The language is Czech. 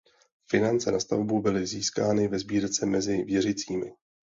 Finance na stavbu byly získány ve sbírce mezi věřícími.